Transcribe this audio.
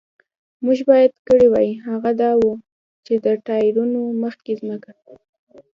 موږ باید کړي وای، هغه دا و، چې د ټایرونو مخکې ځمکه.